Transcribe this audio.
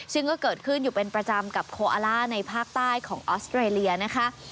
ซึ่งก็เกิดขึ้นอยู่เป็นประจำกับโคอาล่าในภาคใต้ของออสเตรเลียนะคะ